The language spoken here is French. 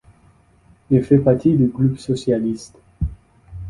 Il fait partie du groupe socialiste.